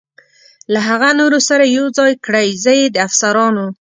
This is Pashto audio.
له هغه نورو سره یې یو ځای کړئ، زه یې د افسرانو.